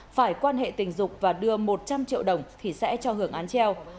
phải quan hệ tình dục và đưa một trăm linh triệu đồng thì sẽ cho hưởng án treo